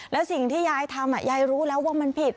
แล้วสิ่งที่ยายทำยายรู้แล้วว่ามันผิด